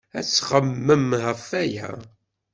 Ad txemmemem ɣef waya.